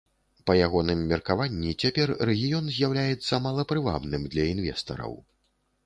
Па ягоным меркаванні, цяпер рэгіён з'яўляецца малапрывабным для інвестараў.